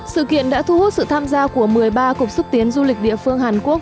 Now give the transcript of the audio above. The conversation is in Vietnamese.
sự kiện đã thu hút sự tham gia của một mươi ba cục xúc tiến du lịch địa phương hàn quốc